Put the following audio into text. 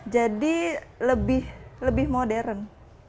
jadi lebih modern